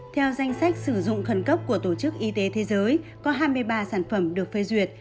theo danh sách sử dụng khẩn cấp của tổ chức y tế thế giới có hai mươi ba sản phẩm được phê duyệt